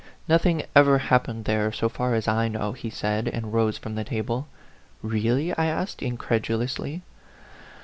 " Nothing ever happened there, so far as I know," he said, and rose from the table. " Really ?" I asked, incredulously.